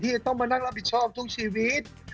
จะต้องมานั่งรับผิดชอบทุกชีวิต